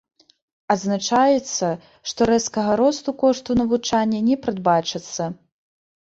Адзначаецца, што рэзкага росту кошту навучання не прадбачыцца.